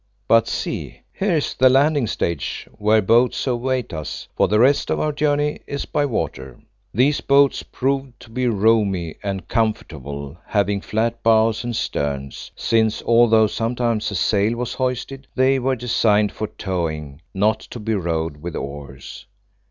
But see, here is the landing stage, where boats await us, for the rest of our journey is by water." These boats proved to be roomy and comfortable, having flat bows and sterns, since, although sometimes a sail was hoisted, they were designed for towing, not to be rowed with oars.